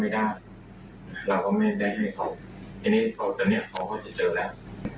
แต่นี่เขาก็จะเจอแล้ว